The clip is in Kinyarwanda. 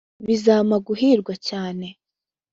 bizampa guhirwa cyane